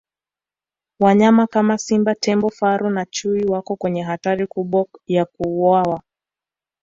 wanyama kama simba tembo faru na chui wako kwenye hatari kubwa ya kuuwawa